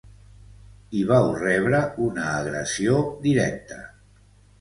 I vau rebre una agressió directa.